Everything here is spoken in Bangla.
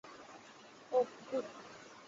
ওহ, উহ।